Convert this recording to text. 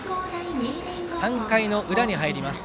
３回の裏に入ります。